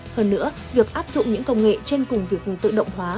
hơn nữa việc áp dụng những công nghệ trên cùng việc tự động hóa